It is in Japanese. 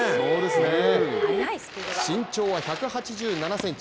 身長は１８７ｃｍ